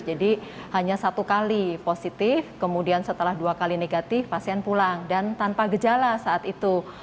jadi hanya satu kali positif kemudian setelah dua kali negatif pasien pulang dan tanpa gejala saat itu